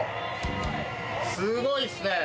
すごいですね。